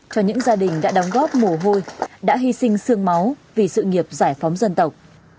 các gia đình đã đóng góp mù hôi đã hy sinh xương máu vì sự nghiệp giải phóng dân tộc